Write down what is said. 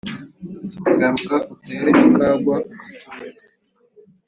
Garuka utere akagwa ugatore